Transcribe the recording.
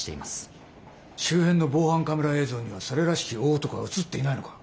周辺の防犯カメラ映像にはそれらしき大男が写っていないのか？